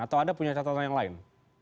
atau anda punya catatan yang lain